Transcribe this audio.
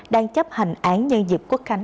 đang chấp hành án nhân dịch quốc khánh